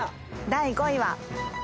第５位は。